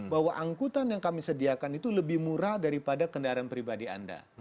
bahwa angkutan yang kami sediakan itu lebih murah daripada kendaraan pribadi anda